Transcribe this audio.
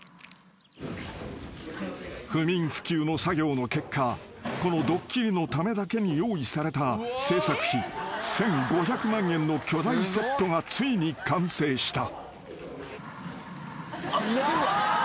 ［不眠不休の作業の結果このドッキリのためだけに用意された製作費１，５００万円の巨大セットがついに完成した］